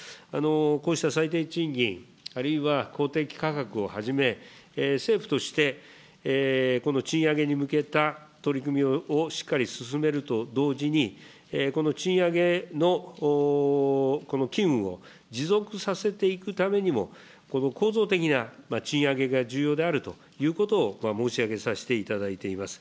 こうした最低賃金、あるいは公的価格をはじめ、政府としてこの賃上げに向けた取り組みをしっかり進めると同時に、この賃上げの、この機運を持続させていくためにも、この構造的な賃上げが重要であるということを申し上げさせていただいています。